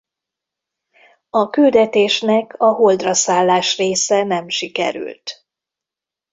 A küldetésnek a holdra szállás része nem sikerült.